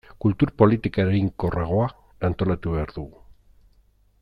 Kultur politika eraginkorragoa antolatu behar dugu.